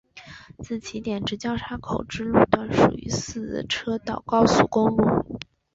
自起点至交叉口之路段属于四车道高速公路。